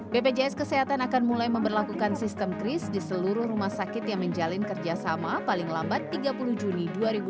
bpjs kesehatan akan mulai memperlakukan sistem kris di seluruh rumah sakit yang menjalin kerjasama paling lambat tiga puluh juni dua ribu dua puluh